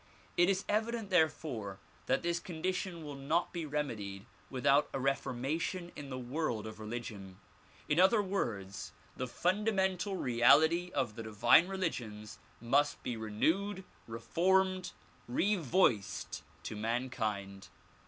It is evident therefore that this condition will not be remedied without a re for mation in the world of religion. In other words the fundamental reality of the divine religions must be renewed, reformed, revoiced to mankind.